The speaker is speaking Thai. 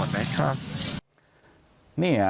ครับ